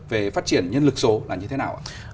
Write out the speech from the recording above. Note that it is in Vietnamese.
về phát triển nhân lực số là như thế nào ạ